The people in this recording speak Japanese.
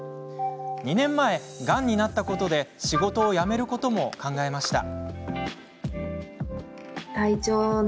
２年前、がんになったことで仕事を辞めることも考えました。